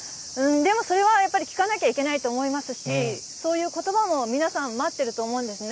でもそれはやっぱり聞かなきゃいけないと思いますし、そういうことばも皆さん、待ってると思うんですね。